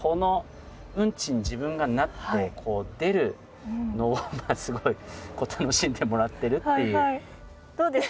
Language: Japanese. うんちに自分がなって出るのをすごい楽しんでもらってるっていう。